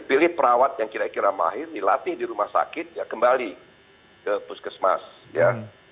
ini latih di rumah sakit ya kembali ke puskesmas ya